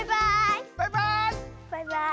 バイバイ。